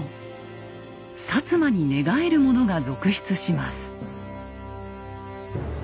摩に寝返る者が続出します。